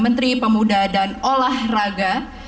menteri pemuda dan olahraga